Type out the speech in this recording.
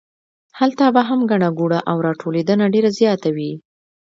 هلته به هم ګڼه ګوڼه او راټولېدنه ډېره زیاته وي.